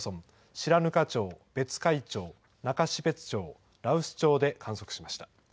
白糠町、別海町、中標津町羅臼町で観測しました。